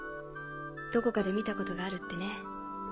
どこかで見たことがあるってね。